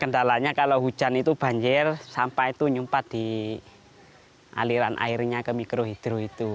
kendalanya kalau hujan itu banjir sampah itu nyumpat di aliran airnya ke mikrohidro itu